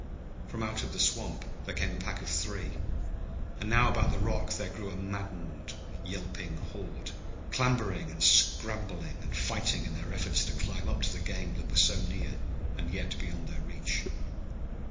From out of the swamp there came a pack of three, and now about the rock there grew a maddened, yelping horde, clambering and scrambling and fighting in their efforts to climb up to the game that was so near and yet beyond their reach.